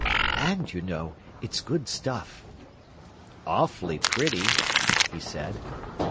"And, you know, it's good stuff." "Awfully pretty," he said.